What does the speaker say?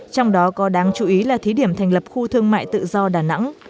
trong đó có đáng chú ý là thí điểm thành lập khu thương mại tự do đà nẵng